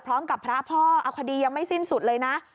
พร้อมกับพระพ่อเอาคดียังไม่สิ้นสุดเลยนะ